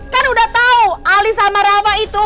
kan udah tau ali sama rama itu